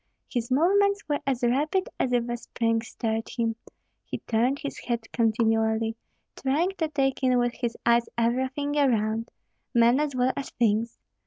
His movements were as rapid as if a spring stirred him; he turned his head continually, trying to take in with his eyes everything around, men as well as things.